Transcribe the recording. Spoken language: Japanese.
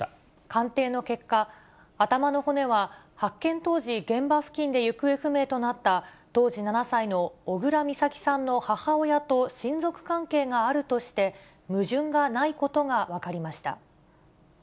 鑑定の結果、頭の骨は、発見当時、現場付近で行方不明となった、当時７歳の小倉美咲さんの母親と親族関係があるとして、矛盾がないことが分かりました。